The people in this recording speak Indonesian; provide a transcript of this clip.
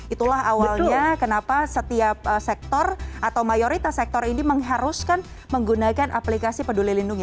itulah awalnya kenapa setiap sektor atau mayoritas sektor ini mengharuskan menggunakan aplikasi peduli lindungi